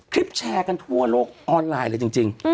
แชร์กันทั่วโลกออนไลน์เลยจริง